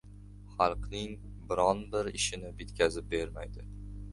Xalqning biron- bir ishini bitkazib bermaydi.